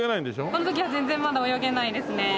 この時は全然まだ泳げないですね。